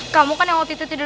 kamu kan yang waktu itu tidur